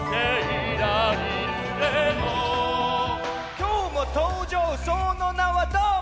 「今日も登場その名はどーも」